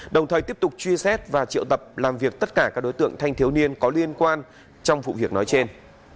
đồng thời tiếp tục truy xét và triệu tập làm việc tất cả các đối tượng thanh thiếu niên có liên quan trong vụ việc nói trên